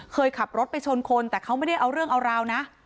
ขับรถไปชนคนแต่เขาไม่ได้เอาเรื่องเอาราวนะ